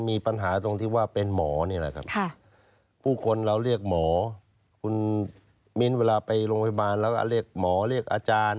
มีปัญหาตรงที่ว่าคือหมอนี้แหละครับคุณมิตค์เวลาลองพยาบาลไปคุณหมอเรียกอาจารย์